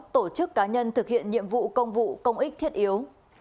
tổ chức cá nhân thực hiện nhiệm vụ công vụ công ích thiết yếu